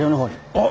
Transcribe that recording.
あっ！